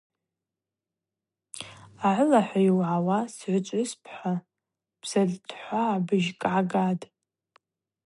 Агӏылахӏва йуагӏауата – Сгӏвычӏвгӏвыспӏ – хӏва бзытлхвыгӏабжьыкӏ гӏагатӏ.